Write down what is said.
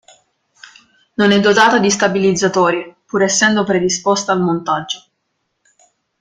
Non è dotata di stabilizzatori, pur essendo predisposta al montaggio.